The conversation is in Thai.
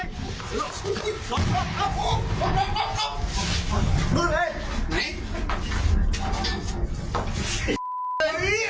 ไงลุ้งปีนแดงเรากลับเข้ามาเลย